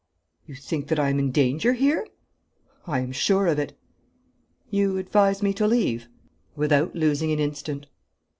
'You think that I am in danger here?' 'I am sure of it.' 'You advise me to leave?' 'Without losing an instant.'